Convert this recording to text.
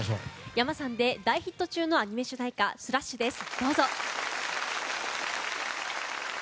ｙａｍａさんで大ヒット中のアニメ主題歌「ｓｌａｓｈ」です。